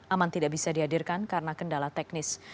aman tidak bisa dihadirkan karena kendala teknis